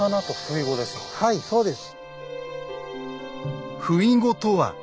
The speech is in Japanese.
はいそうです。